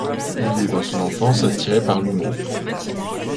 Il est dans son enfance attiré par l'humour.